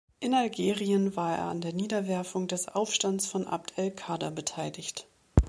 In Algerien war er an der Niederwerfung des Aufstands von Abd el-Kader beteiligt.